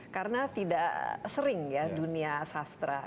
karena tidak sering ya dunia sastra